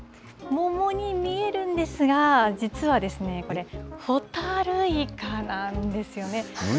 桃に見えるんですが、実はこれ、ホタルイカなんですよね。